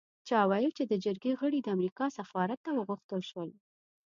چا ویل چې د جرګې غړي د امریکا سفارت ته وغوښتل شول.